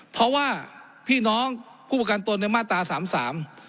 เพราะว่าพี่น้องผู้ประกันตนในมาตราสามสาม